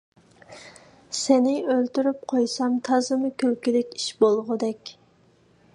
سېنى ئۆلتۈرۈپ قويسام، تازىمۇ كۈلكىلىك ئىش بولغۇدەك.